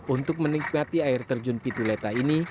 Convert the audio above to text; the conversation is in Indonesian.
untuk menikmati air terjun pituleta ini